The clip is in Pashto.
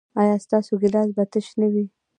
ایا ستاسو ګیلاس به تش نه وي؟